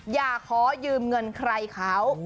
อย่าขอยืมเงินใครเขา